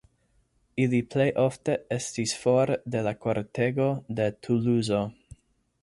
Ili plej ofte estis for de la kortego de Tuluzo.